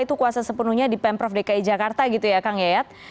itu kuasa sepenuhnya di pemprov dki jakarta gitu ya kang yayat